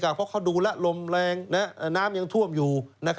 เพราะเขาดูแล้วลมแรงน้ำยังท่วมอยู่